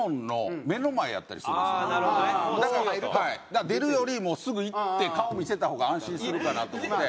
だから出るよりもうすぐ行って顔見せた方が安心するかなと思って。